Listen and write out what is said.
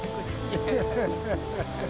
ハハハハ。